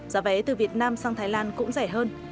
giá vé từ việt nam sang thái lan cũng rẻ hơn